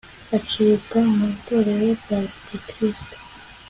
acibwa mu itorero rya gikristo